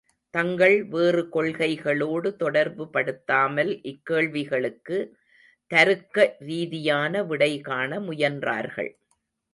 தங்கள் வேறு கொள்கைகளோடு தொடர்புபடுத்தாமல் இக்கேள்விகளுக்கு தருக்க ரீதியாக விடைகாண முயன்றார்கள்.